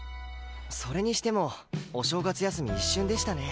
それにしてもお正月休み一瞬でしたね。